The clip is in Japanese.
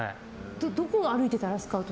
どこを歩いていたらスカウトを？